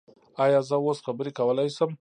ایا زه اوس خبرې کولی شم؟